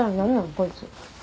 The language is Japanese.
こいつ。